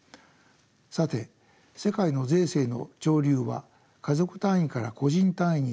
さて世界の税制の潮流は家族単位から個人単位に移っています。